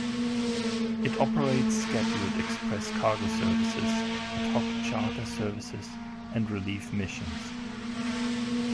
It operates scheduled express cargo services, ad hoc charter services and relief missions.